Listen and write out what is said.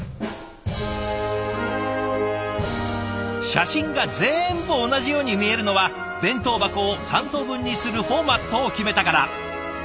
写真が全部同じように見えるのは弁当箱を３等分にするフォーマットを決めたから。